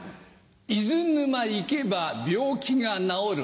伊豆沼行けば病気が治る。